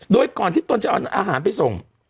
โดยก่อนที่ตนจะเอาอาหารไปส่ง